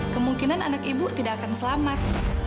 kemungkinan anak ibu tidak akan selamat